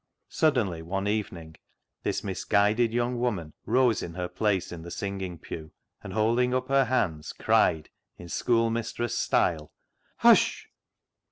Suddenly one evening this misguided young woman rose in her place in the singing pew, and, holding up her hand, cried in school mistress style, " H U S H